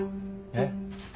えっ？